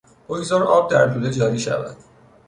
بگذار آب در لوله جاری شود.